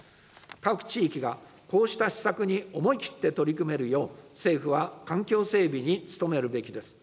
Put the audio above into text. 各地域がこうした施策に思い切って取り組めるよう、政府は環境整備に努めるべきです。